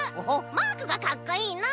マークがかっこいいの！